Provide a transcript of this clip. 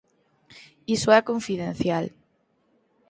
Iso é confidencial.